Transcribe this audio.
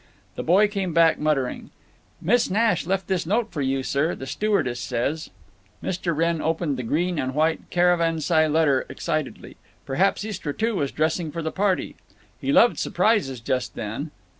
The boy came back muttering, "Miss Nash left this note for you, sir, the stewardess says." Mr. Wrenn opened the green and white Caravanserai letter excitedly. Perhaps Istra, too, was dressing for the party! He loved all s'prises just then.